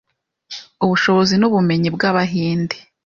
ubushobozi n’ubumenyi bw’abahinde.